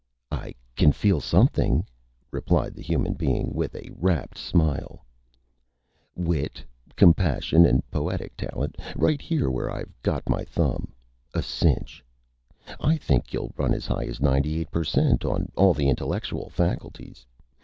"I can feel Something," replied the Human Being, with a rapt Smile. [Illustration: HUMAN BEING] "Wit, Compassion and Poetic Talent right here where I've got my Thumb a Cinch! I think you'll run as high as 98 per cent on all the Intellectual Faculties.